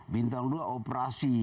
bintang dua operasi